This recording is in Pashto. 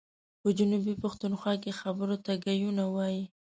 په جنوبي پښتونخوا کي خبرو ته ګايونه وايي.